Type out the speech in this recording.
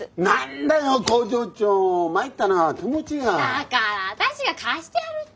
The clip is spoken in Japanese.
だから私が貸してやるって。